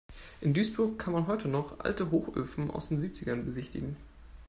In Duisburg kann man heute noch alte Hochöfen aus den Siebzigern besichtigen.